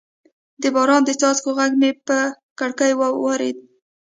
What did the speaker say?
د باران د څاڅکو غږ مې پر کړکۍ واورېد.